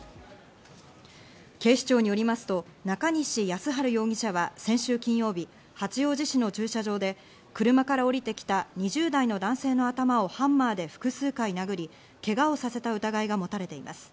警視庁によりますと、中西靖治容疑者は先週金曜日、八王子市の駐車場で車から降りてきた２０代の男性の頭をハンマーで複数回殴りけがをさせた疑いが持たれています。